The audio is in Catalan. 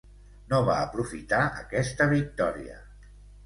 No va aprofitar aquesta victòria.